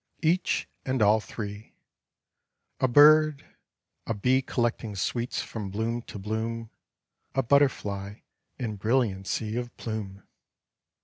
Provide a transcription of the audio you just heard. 'Each and all three;—a bird A bee collecting sweets from bloom to bloom, A butterfly in brilliancy of plume.